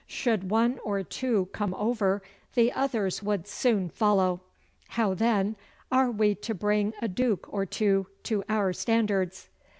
Should one or two come over the others would soon follow. How, then, are we to bring a duke or two to our standards?